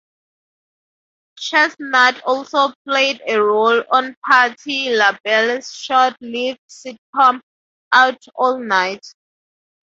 Chestnut also played a role on Patti LaBelle's short-lived sitcom "Out All Night".